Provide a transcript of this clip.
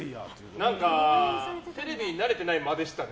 何かテレビに慣れてない間でしたね。